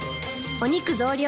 お肉増量！